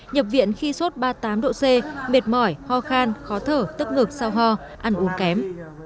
nhập viện khi sốt ba mươi tám độ c mệt mỏi ho khan khó thở tức ngực sao ho ăn uống kém